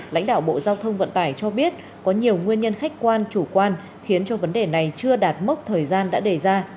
lãnh đạo bộ giao thông vận tải cho biết có nhiều nguyên nhân khách quan chủ quan khiến cho vấn đề này chưa đạt mốc thời gian đã đề ra